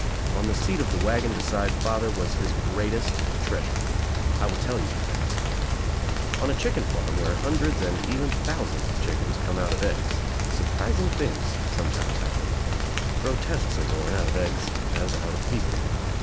On the seat of the wagon beside father was his greatest treasure. 1 will tell you of that. On a chicken farm where hundreds and even thou sands of chicliens come out of eggs surprising things sometimes happen. Grotesques are born dut of eggs as ^ijt of people.